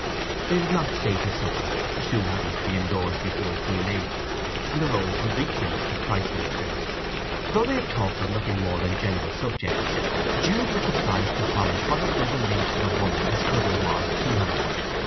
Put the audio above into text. They did not stay to supper, Sue having to be indoors before it grew late, and the road was retraced to Christminster. Though they had talked of nothing more than general subjects, Jude was surprised to find what a revelation of woman his cousin was to him.